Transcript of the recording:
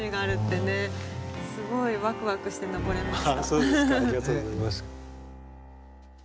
そうですかありがとうございます。